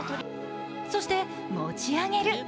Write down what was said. そして持ち上げる。